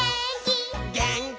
「げーんき」